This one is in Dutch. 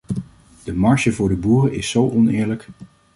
De marge voor de boeren is zo oneerlijk.